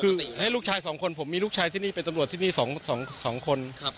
คือให้ลูกชายสองคนผมมีลูกชายที่นี่เป็นตำรวจที่นี่๒คน